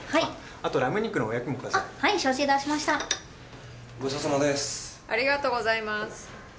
ありがとうございます。